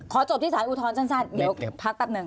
ขอจบที่ศาลอุทรสั้นเดี๋ยวพักตัวนึง